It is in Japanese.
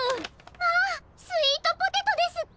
まあスイートポテトですって！？